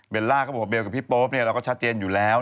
ล่าก็บอกว่าเบลกับพี่โป๊ปเนี่ยเราก็ชัดเจนอยู่แล้ว